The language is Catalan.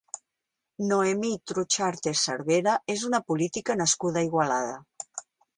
Noemí Trucharte Cervera és una política nascuda a Igualada.